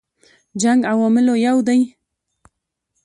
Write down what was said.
جنګ عواملو یو دی.